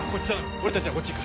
俺たちはこっち行く。